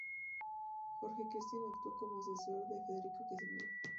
Jorge Cristián actuó como asesor de Federico Casimiro.